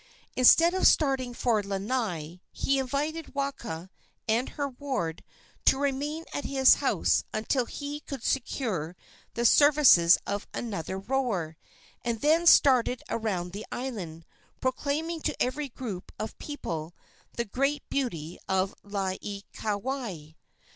Instead of starting for Lanai, he invited Waka and her ward to remain at his house until he could secure the services of another rower, and then started around the island, proclaiming to every group of people the great beauty of Laieikawai.